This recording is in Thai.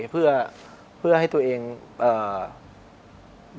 เพื่อก็ให้ตัวเองอ่า